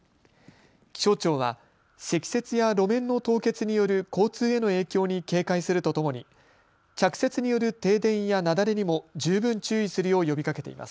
気象庁は積雪や路面の凍結による交通への影響に警戒するとともに着雪による停電や雪崩にも十分注意するよう呼びかけています。